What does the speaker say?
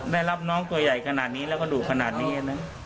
ได้รับน้องตัวใหญ่ขนาดนี้แล้วก็ดุขนาดนี้